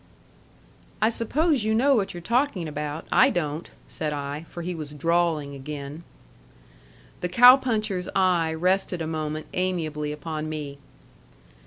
"I suppose you know what you're talking about; I don't," said I, for he was drawling again. The cow puncher's eye rested a moment amiably upon me.